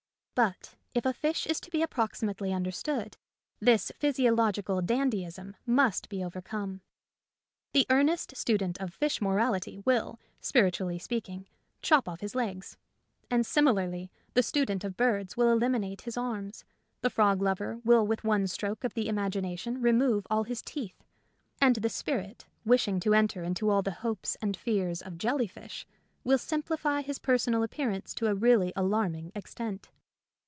But if a fish is to be approximately understood, this physiological dandyism must be overcome. The earnest student of fish morality will, spiritually speaking, chop off his legs. And similarly the student of birds will eliminate his arms ; the frog lover will with one stroke of the imagination remove all his teeth, and the spirit wishing to enter into all the hopes and fears of jelly fish will simplify his per sonal appearance to a really alarming extent.